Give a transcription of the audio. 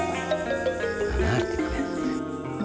gak ada arti bang